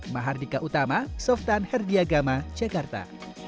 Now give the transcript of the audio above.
mahardika utama softan herdiagama jakarta